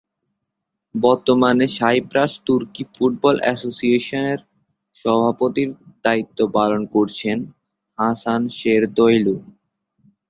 বর্তমানে সাইপ্রাস তুর্কি ফুটবল অ্যাসোসিয়েশনের সভাপতির দায়িত্ব পালন করছেন হাসান সেরতোয়লু।